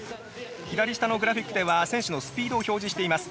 左下のグラフィックでは選手のスピードを表示しています。